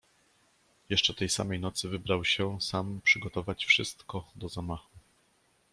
"Jeszcze tej samej nocy wybrał się sam przygotować wszystko do zamachu."